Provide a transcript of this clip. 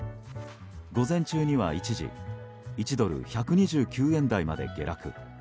午前中には、一時１ドル＝１２９円台まで下落。